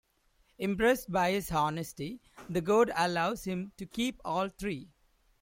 Impressed by his honesty, the god allows him to keep all three.